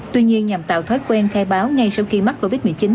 tuy nhiên nhằm tạo thói quen khai báo ngay sau khi mắc covid một mươi chín